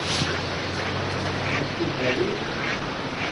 Ad kent-ten-id-tawi?